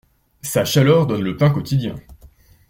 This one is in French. Sa chaleur donne le pain quotidien.